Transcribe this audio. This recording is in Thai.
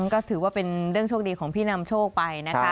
ก็ถือว่าเป็นเรื่องโชคดีของพี่นำโชคไปนะคะ